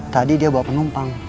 tadi dia bawa penumpang